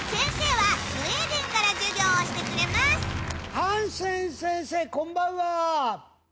ハンセン先生こんばんは。